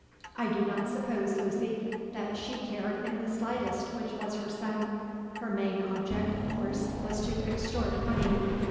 "I do not suppose, Lucy, that she cared in the slightest which was her son; her main object, of course, was to extort money.